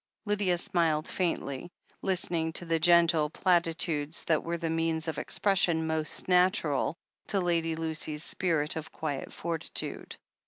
Lydia smiled faintly, listening to the gentle plati tudes that were the means of expression most natural to Lady Lucy's spirit of quiet fortitude.